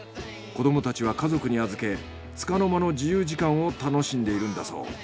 子どもたちは家族に預けつかの間の自由時間を楽しんでいるんだそう。